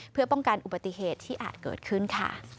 เพื่อป้องกันอุบัติเหตุที่อาจเกิดขึ้นค่ะ